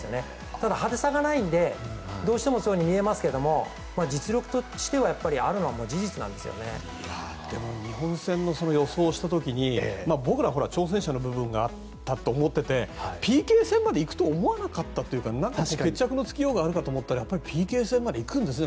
ただ、派手さがないのでどうしてもそう見えますが実力として、あるのは日本戦の予想をした時に僕ら、挑戦者の部分があったと思っていてＰＫ戦まで行くとは思わなかったというか決着のつきようがあるかと思ったらＰＫ戦まで行くんですね。